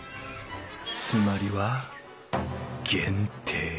つまりは「限定」